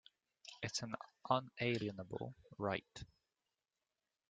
It's an unalienable right.